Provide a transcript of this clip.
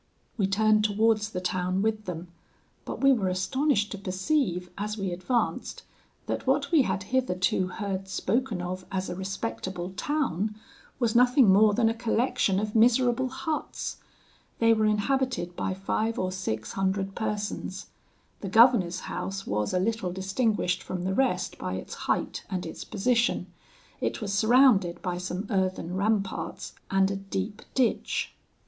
"We turned towards the town with them; but we were astonished to perceive, as we advanced, that what we had hitherto heard spoken of as a respectable town, was nothing more than a collection of miserable huts. They were inhabited by five or six hundred persons. The governor's house was a little distinguished from the rest by its height and its position. It was surrounded by some earthen ramparts, and a deep ditch.